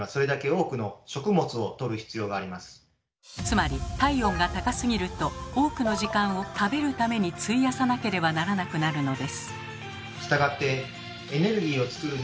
つまり体温が高すぎると多くの時間を食べるために費やさなければならなくなるのです。